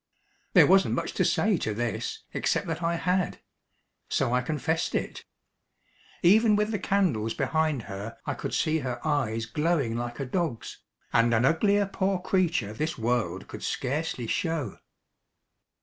There wasn't much to say to this except that I had. So I confessed it. Even with the candles behind her I could see her eyes glowing like a dog's, and an uglier poor creature this world could scarcely show.